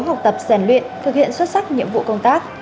học tập rèn luyện thực hiện xuất sắc nhiệm vụ công tác